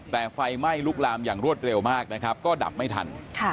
แต่ไฟไหม้ลุกลามอย่างรวดเร็วมากนะครับก็ดับไม่ทัน